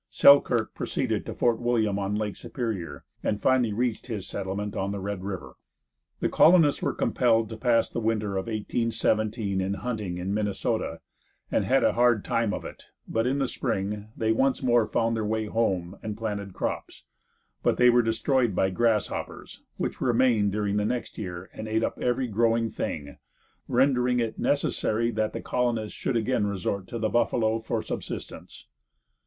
Selkirk proceeded to Fort William, on Lake Superior, and finally reached his settlement on the Red river. The colonists were compelled to pass the winter of 1817 in hunting in Minnesota, and had a hard time of it, but in the spring they once more found their way home, and planted crops, but they were destroyed by grasshoppers, which remained during the next year and ate up every growing thing, rendering it necessary that the colonists should again resort to the buffalo for subsistence.